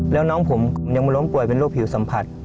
แล้วน้องผมยังมาล้มป่วยเป็นโรคผิวสัมผัส